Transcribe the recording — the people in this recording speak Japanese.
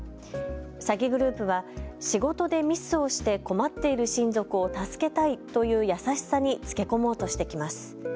詐欺グループは仕事でミスをして困っている親族を助けたいという優しさにつけ込もうとしてきます。